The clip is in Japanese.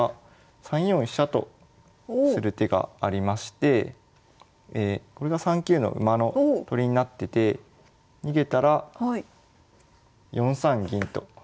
３四飛車とする手がありましてこれが３九の馬の取りになってて逃げたら４三銀と。